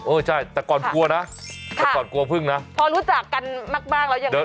เออใช่แต่ก่อนกลัวนะแต่ก่อนกลัวพึ่งนะพอรู้จักกันมากมากแล้วยังไง